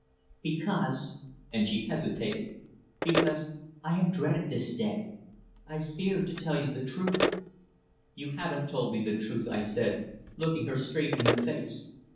"Why?" "Because," and she hesitated. "Because I have dreaded this day. I feared to tell you the truth." "You haven't told me the truth," I said, looking her straight in the face.